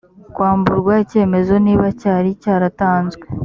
kwamburwa icyemezo niba cyari cyaratanzwe